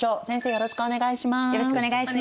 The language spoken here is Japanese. よろしくお願いします。